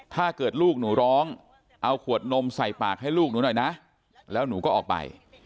ถ้าเกิดลูกหนูร้องเอาขวดนมใส่ปากให้ลูกหนูหน่อยนะแล้วหนูก็ออกไป